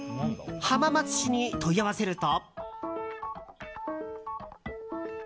浜松市に問い合わせると。